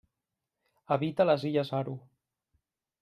Habita les illes Aru.